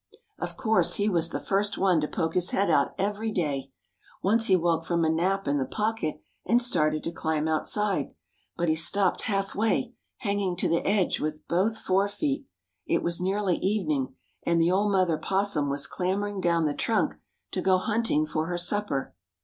Of course he was the first one to poke his head out every day. Once he woke from a nap in the pocket and started to climb outside. But he stopped half way, hanging to the edge with both fore feet. It was nearly evening, and the old mother opossum was clambering down the trunk to go hunting for her supper.